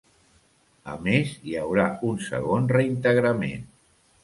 A més, hi haurà un segon reintegrament.